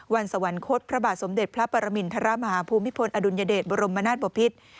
สวรรคตพระบาทสมเด็จพระปรมินทรมาฮภูมิพลอดุลยเดชบรมนาศบพิษ